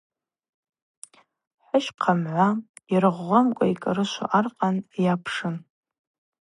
Хӏыщхъа мгӏва йыргъвгъвамкӏва йкӏарышву аркъан йапшын.